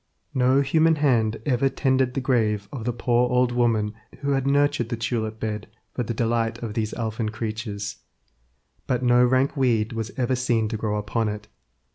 No human hand ever tended the grave of the poor old woman who had nurtured the tulip bed for the delight of these elfin creatures; but no rank weed was ever seen to grow upon it.